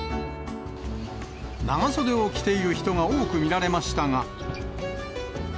長袖を着ている人が多く見られましたが。